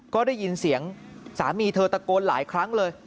ก็ได้ยินเสียงสามีเธอตะโกนหลายครั้งเลย